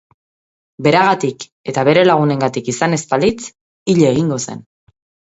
Beragatik eta bere lagunengatik izan ez balitz hil egingo zen.